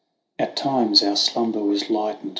At times our slumber was lightened.